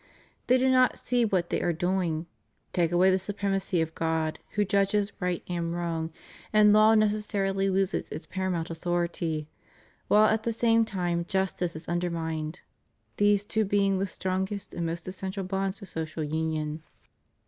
They do not see what they are doing. Take away the supremacy of God, who judges right and wrong; and law necessarily loses its paramount authority, while at the same time justice is undermined, these two being the strongest and most essential bonds of social union.